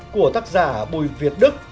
của tác giả bùi việt đức